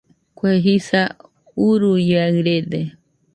Kue jisa uruiaɨrede